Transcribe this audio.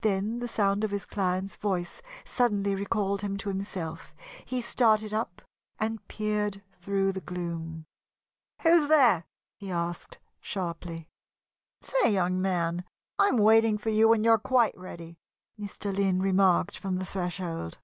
Then the sound of his client's voice suddenly recalled him to himself. He started up and peered through the gloom. "Who's there?" he asked, sharply. "Say, young man, I am waiting for you when you're quite ready," Mr. Lynn remarked from the threshold.